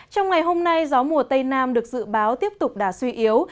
trong ngày hôm nay gió mùa tây nam được dự báo tiếp tục đà suy yếu